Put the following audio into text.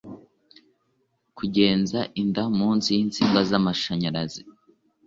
kugenza inda munsi y’insinga z’amashanyarazi